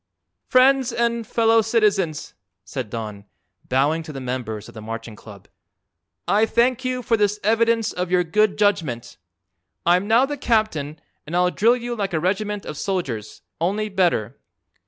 "Friends and fellow citizens," said Don, bowing to the members of the Marching Club, "I thank you for this evidence of your good judgment. I'm now the captain and I'll drill you like a regiment of soldiers, only better.